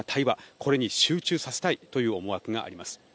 これに集中させたいという思惑があります。